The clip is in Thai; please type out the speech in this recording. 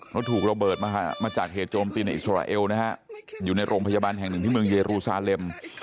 เขาถูกระเบิดมาจากเหตุโจมตีในอิสราเอลนะฮะอยู่ในโรงพยาบาลแห่งหนึ่งที่เมืองเยรูซาเลม